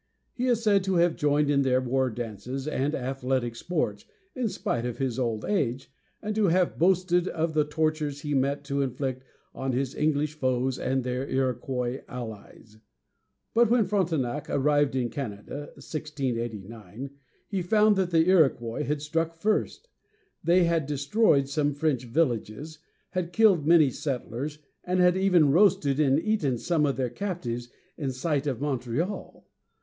He is said to have joined in their war dances and athletic sports, in spite of his old age, and to have boasted of the tortures he meant to inflict on his English foes and their Iroquois allies. But when Frontenac arrived in Canada (1689), he found that the Iroquois had struck first. They had destroyed some French villages, had killed many settlers, and had even roasted and eaten some of their captives in sight of Montreal.